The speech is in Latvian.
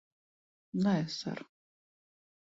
Nē, ser.